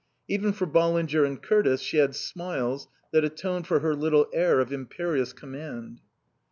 Even for Ballinger and Curtis she had smiles that atoned for her little air of imperious command.